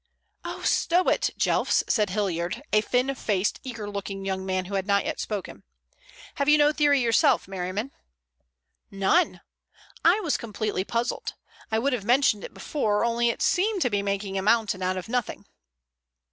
"Oh, stow it, Jelfs," said Hilliard, a thin faced, eager looking young man who had not yet spoken. "Have you no theory yourself, Merriman?" "None. I was completely puzzled. I would have mentioned it before, only it seemed to be making a mountain out of nothing."